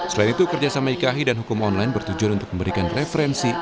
selain itu kerjasama ikai dan hukum online bertujuan untuk memberikan referensi